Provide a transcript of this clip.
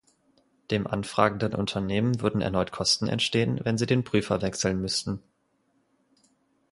Dem Anfragenden Unternehmen würden erneut Kosten entstehen, wenn sie den Prüfer wechseln müssten.